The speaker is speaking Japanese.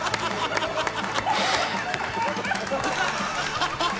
ハハハハ！